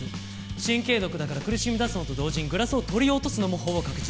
神経毒だから苦しみだすのと同時にグラスを取り落とすのもほぼ確実。